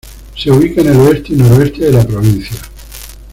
Se ubica en el oeste y noroeste de la provincia.